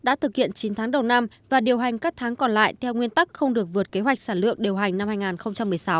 đã thực hiện chín tháng đầu năm và điều hành các tháng còn lại theo nguyên tắc không được vượt kế hoạch sản lượng điều hành năm hai nghìn một mươi sáu